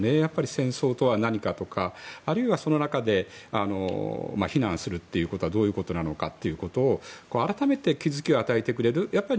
戦争とは何かとかあるいはその中で避難するということはどういうことなのかと改めて気付きを与えてくれる。